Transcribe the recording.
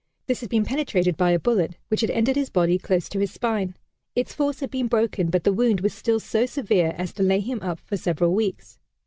This had been penetrated by a bullet, which had entered his body close to his spine. Its force had been broken, but the wound was still so severe as to lay him up for several weeks.